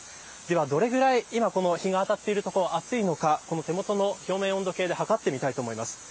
ではどれぐらい今、日が当たっている所が暑いのか手元の表面温度計で計ってみたいと思います。